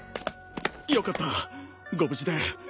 よかったご無事で。